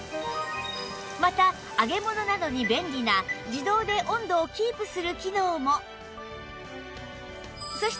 また揚げ物などに便利な自動で温度をキープする機能も